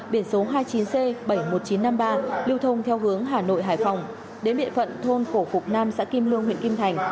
biển số hai mươi chín c bảy mươi một nghìn chín trăm năm mươi ba lưu thông theo hướng hà nội hải phòng đến địa phận thôn phổ phục nam xã kim lương huyện kim thành